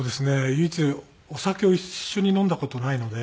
唯一お酒を一緒に飲んだ事ないので。